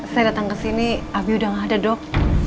saya datang ke sini abi udah gak ada dok